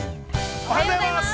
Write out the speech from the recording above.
◆おはようございます。